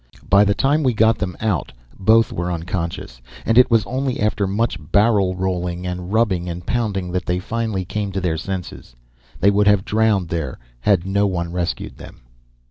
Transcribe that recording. By the time we got them out, both were unconscious, and it was only after much barrel rolling and rubbing and pounding that they finally came to their senses. They would have drowned there, had no one rescued them.